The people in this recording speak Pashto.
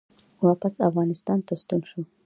واپس افغانستان ته ستون شو